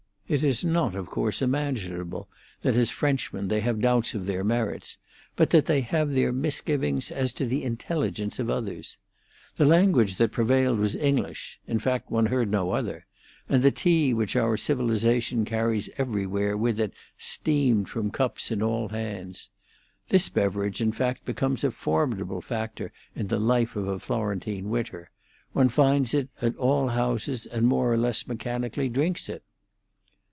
It is not, of course, imaginable that as Frenchmen they have doubts of their merits, but that they have their misgivings as to the intelligence of others. The language that prevailed was English—in fact, one heard no other,—and the tea which our civilisation carries everywhere with it steamed from the cups in all hands. This beverage, in fact, becomes a formidable factor in the life of a Florentine winter. One finds it at all houses, and more or less mechanically drinks it.